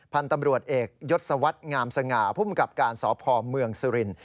พันธุ์ตำรวจเอกยศวรรษงามสง่าภูมิกับการสพเมืองสุรินทร์